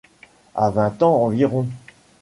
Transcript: À vingt ans environ.